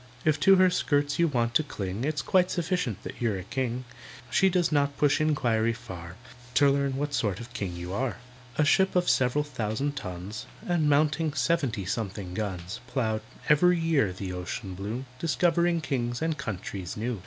"If to her skirts you want to cling, It's quite sufficient that you're a king; She does not push inquiry far To learn what sort of king you are." A ship of several thousand tons, And mounting seventy something guns, Ploughed, every year, the ocean blue, Discovering kings and countries new.